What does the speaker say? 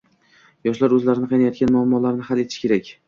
Yoshlar oʻzlarini qiynayotgan muammolarni hal etishi kerak